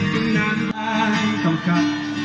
ต้องนานมาให้เขากลับ